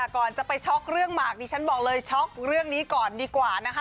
ก่อนจะไปช็อกเรื่องหมากดิฉันบอกเลยช็อกเรื่องนี้ก่อนดีกว่านะคะ